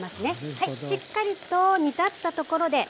しっかりと煮立ったところであ